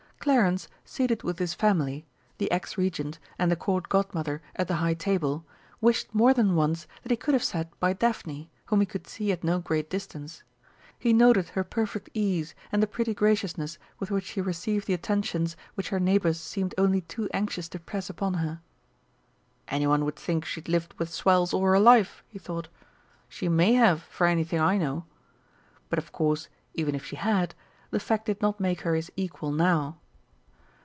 Clarence, seated with his family, the Ex Regent, and the Court Godmother at the high table, wished more than once that he could have sat by Daphne, whom he could see at no great distance. He noted her perfect ease, and the pretty graciousness with which she received the attentions which her neighbours seemed only too anxious to press upon her. "Anyone would think she'd lived with swells all her life," he thought. "She may have, for anything I know!" But, of course, even if she had, the fact did not make her his equal now.